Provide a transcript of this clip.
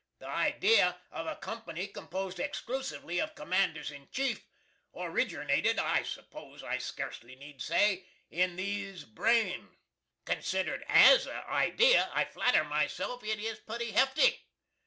The idee of a company composed excloosively of Commanders in Chiefs, orriggernated, I spose I skurcely need say, in these Brane. Considered AS a idee, I flatter myself it is putty hefty.